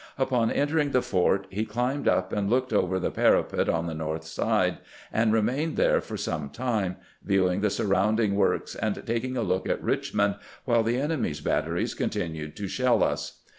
Upon entering the fort, he climbed up and looked over the parapet on the north side, and remained there for some time, viewing the surrounding works and taking a look at Richmond, while the enemy's batteries con tinued to shell us.